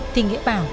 thì nghĩa bảo